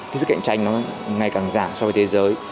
cái sức cạnh tranh nó ngày càng giảm so với thế giới